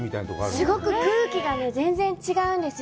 すごく空気が全然違うんですよ。